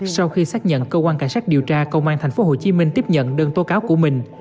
sau khi xác nhận cơ quan cảnh sát điều tra công an tp hcm tiếp nhận đơn tố cáo của mình